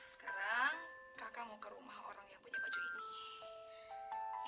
sekarang kakak mau ke rumah orang yang punya baju ini